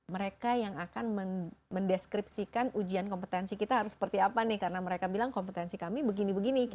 mereka yang akan mendeskripsikan ujian kompetensi kita harus seperti apa nih karena mereka bilang kompetensi kami begini begini